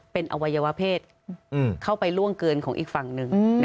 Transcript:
เป็นอวัยวะเพศเข้าไปล่วงเกินของอีกฝั่งหนึ่ง